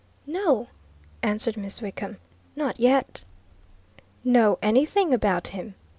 "No," answered Miss Wickham. "Not yet." "Know anything about him?"